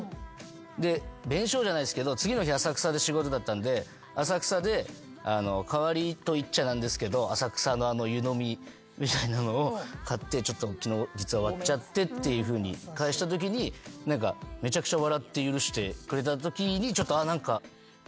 で弁償じゃないですけど次の日浅草で仕事だったんで浅草で代わりといっちゃなんですけど浅草の湯飲みみたいなのを買って昨日実は割っちゃってっていうふうに返したときにめちゃくちゃ。